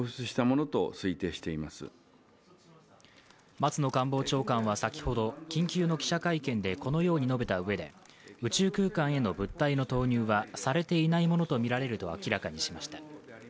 松野官房長官は先ほど緊急の記者会見でこのように述べたうえで宇宙空間への物体の投入はされていないものとみられると明らかにしました。